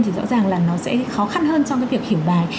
thì rõ ràng là nó sẽ khó khăn hơn trong cái việc hiểu bài